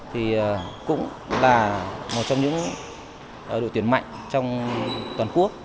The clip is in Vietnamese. thì cũng là một trong những đội tuyển mạnh trong toàn quốc